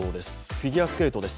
フィギュアスケートです。